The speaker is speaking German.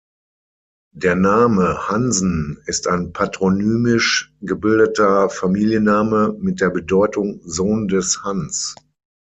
Der Name „Hansen“ ist ein patronymisch gebildeter Familienname mit der Bedeutung „Sohn des Hans“.